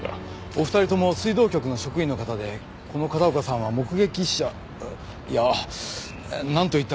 お二人共水道局の職員の方でこの片岡さんは目撃者いやなんと言ったらいいのか。